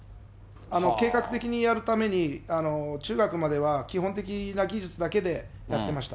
計画的にやるために、中学までは基本的な技術だけでやってました。